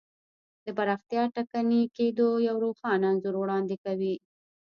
د پراختیا ټکني کېدو یو روښانه انځور وړاندې کوي.